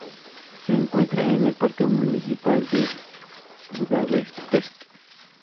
Se encuentra en el Parque Municipal de Budapest.